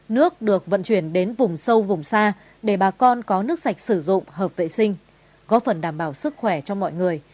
nước được vận chuyển đến vùng sâu vùng xa để bà con có nước sạch sử dụng hợp vệ sinh góp phần đảm bảo sức khỏe cho mọi người